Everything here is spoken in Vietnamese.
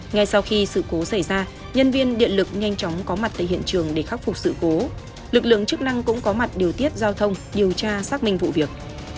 ngay sau khi sự cố xảy ra nhân viên điện lực nhanh chóng có mặt tại hiện trường để khắc phục sự cố lực lượng chức năng cũng có mặt điều tiết giao thông điều tra xác minh vụ việc